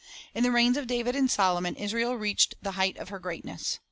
In the reigns of David and Solomon, Israel reached the height of her greatness.